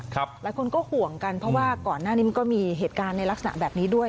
หลายคนก็ห่วงกันเพราะว่าก่อนหน้านี้มันก็มีเหตุการณ์ในลักษณะแบบนี้ด้วย